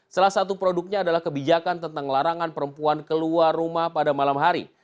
salah satu produknya adalah kebijakan tentang larangan perempuan keluar rumah pada malam hari